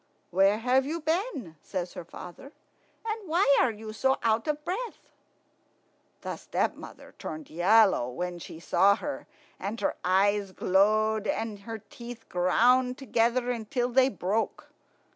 "Where have you been?" says her father; "and why are you so out of breath?" The stepmother turned yellow when she saw her, and her eyes glowed, and her teeth ground together until they broke.